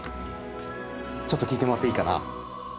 ちょっと聞いてもらっていいかな。